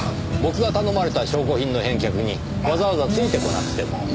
僕が頼まれた証拠品の返却にわざわざついてこなくても。